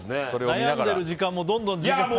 悩んでいる時間もどんどん。